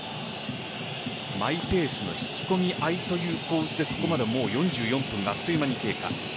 マイペースの引き込み合いという構図でここまで４４分があっという間に経過。